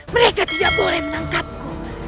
mereka tidak boleh menangkapku